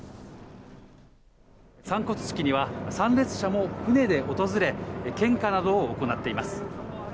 散骨式には参列者も船で訪れ、献花などを行っています。